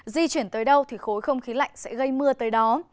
di chuyển tới đâu thì khối không khí lạnh sẽ gây mưa tới đó